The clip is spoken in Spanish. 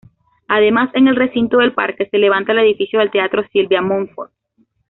Además en el recinto del parque se levanta el edificio del teatro Silvia-Monfort.